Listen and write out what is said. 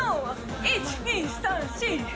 １、２、３、４。